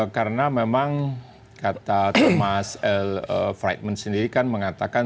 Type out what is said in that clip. karena memang kata thomas l freitman sendiri kan mengatakan